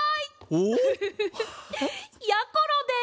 おっ？やころです。